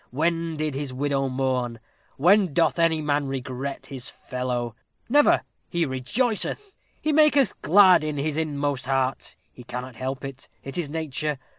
When did his widow mourn? When doth any man regret his fellow? Never! He rejoiceth he maketh glad in his inmost heart he cannot help it it is nature.